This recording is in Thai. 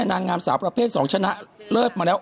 นางงามสาวประเภท๒ชนะเลิศมาแล้ว